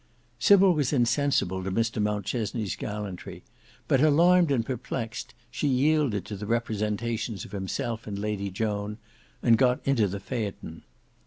Sybil was insensible to Mr Mountchesney's gallantry, but alarmed and perplexed, she yielded to the representations of himself and Lady Joan, and got into the phaeton.